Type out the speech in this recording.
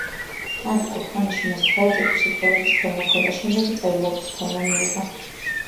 ანტიკურ ხანაში მას მხოლოდ ზეპირსიტყვიერების ფორმა ჰქონდა, შემდეგ კი წერილობითი ფორმა მიიღო.